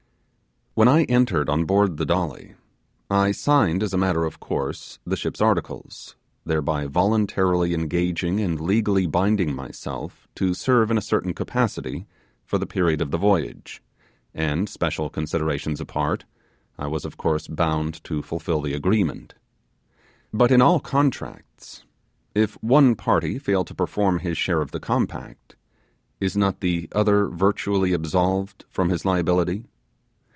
When I entered on board the Dolly, I signed as a matter of course the ship's articles, thereby voluntarily engaging and legally binding myself to serve in a certain capacity for the period of the voyage; and, special considerations apart, I was of course bound to fulfill the agreement. But in all contracts, if one party fail to perform his share of the compact, is not the other virtually absolved from his liability?